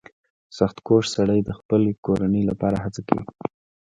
• سختکوش سړی د خپلې کورنۍ لپاره هڅه کوي.